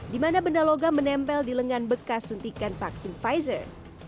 di mana benda logam menempel di lengan bekas suntikan vaksin pfizer